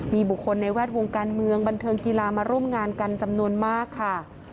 มีบุคคลในแวดวงการเมืองบันเทิงกีฬามาร่วมงานกันจำนวนมากค่ะ